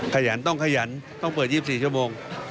ขยันต้องขยันต้องเปิด๒๔ชั่วโมง